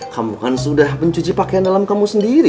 kamu kan sudah mencuci pakaian dalam kamu sendiri